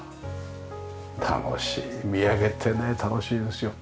楽しい見上げてね楽しいですよ。